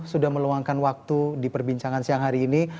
sudah meluangkan waktu di perbincangan siang hari ini